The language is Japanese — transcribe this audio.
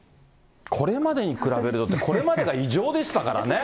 これまでに比べるとって、これまでが異常でしたからね。